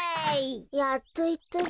やっといったぜ。